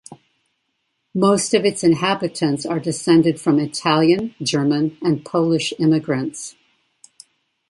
Most of its inhabitants are descended from Italian, German and Polish immigrants.